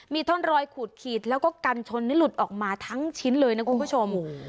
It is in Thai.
มีท่อนรอยขูดขีดแล้วก็กันชนนี่หลุดออกมาทั้งชิ้นเลยนะคุณผู้ชม